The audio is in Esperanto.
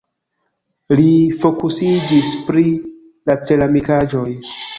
Li fokusiĝis pri la ceramikaĵoj.